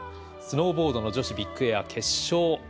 スノーボードの女子ビッグエア決勝。